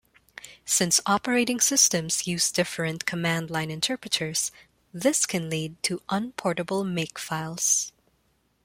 Since operating systems use different command-line interpreters this can lead to unportable makefiles.